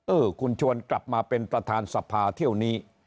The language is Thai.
เออคุณชวนกลับมาเป็นประธานสภาเที่ยวนี้